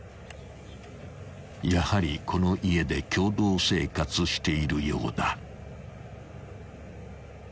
［やはりこの家で共同生活しているようだ］